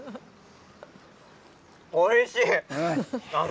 おいしい。